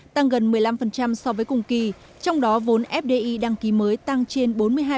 tăng gần một mươi năm so với cùng kỳ trong đó vốn fdi đăng ký mới tăng trên bốn mươi hai